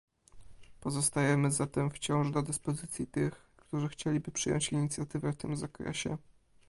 Pozostajemy zatem wciąż do dyspozycji tych, którzy chcieliby przejąć inicjatywę w tym zakresie